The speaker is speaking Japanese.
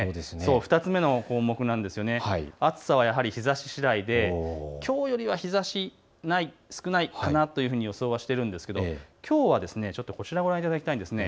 ２つ目の項目、暑さはやはり日ざししだいできょうよりは日ざし少ないかなというふうに予想しているんですがきょうはこちらをご覧いただきたいと思います。